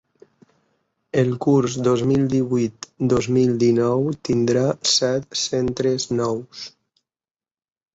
El curs dos mil divuit-dos mil dinou tindrà set centres nous.